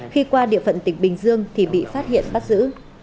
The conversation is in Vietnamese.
khi qua địa phận tỉnh bình dương thì bị phát hiện bắt giữ